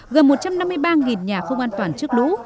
gần một trăm năm mươi ba nhà không an toàn trước lũ